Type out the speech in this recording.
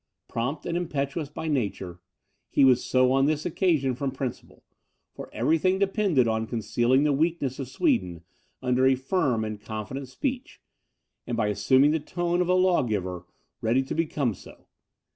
Prompt and impetuous by nature, he was so on this occasion from principle; for every thing depended on concealing the weakness of Sweden, under a firm and confident speech, and by assuming the tone of a lawgiver, really to become so.